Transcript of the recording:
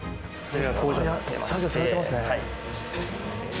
作業されていますね。